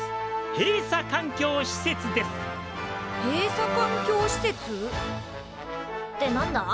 閉鎖環境施設？って何だ？